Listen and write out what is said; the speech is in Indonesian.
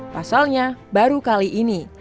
pasalnya baru kali ini